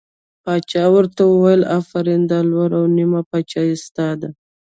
باچا ورته وویل آفرین دا لور او نیمه پاچهي ستا ده.